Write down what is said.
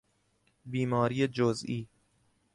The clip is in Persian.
بیماری جزیی